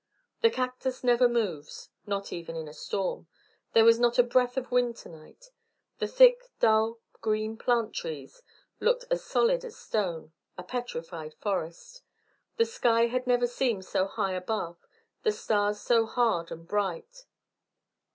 The cactus never moves, not even in a storm. There was not a breath of wind to night. The thick dull green plant trees looked as solid as stone, a petrified forest. The sky had never seemed so high above, the stars so hard and bright.